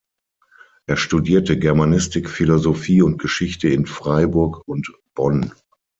Er studierte Germanistik, Philosophie und Geschichte in Freiburg und Bonn.